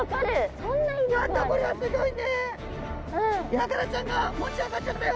ヤガラちゃんが持ち上がっちゃったよ！